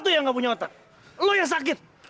lu tuh yang gak punya otak lu yang sakit